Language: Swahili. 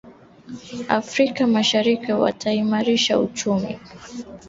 Afrika ya Mashariki kutaimarisha uchumi wa kikanda na ushindani barani huko na kote duniani